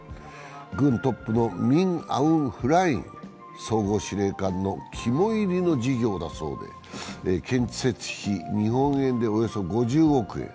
軍トップのミン・アウン・フライン総司令官の肝いりの事業だそうで建設費は日本円でおよそ５０億円。